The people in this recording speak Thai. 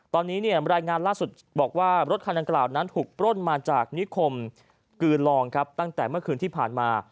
ตอนนี้รายงานล่าสุดบอกว่ารถคันดังกล่าวนั้นถูกปล้นมาจากนิคมกือลองครับตั้งแต่เมื่อคืนที่ผ่านมา